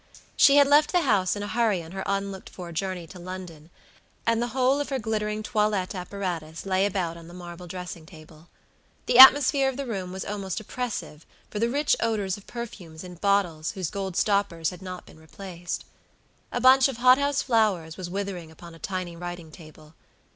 She had left the house in a hurry on her unlooked for journey to London, and the whole of her glittering toilette apparatus lay about on the marble dressing table. The atmosphere of the room was almost oppressive for the rich odors of perfumes in bottles whose gold stoppers had not been replaced. A bunch of hot house flowers was withering upon a tiny writing table.